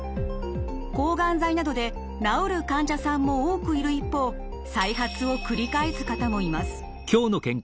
抗がん剤などで治る患者さんも多くいる一方再発を繰り返す方もいます。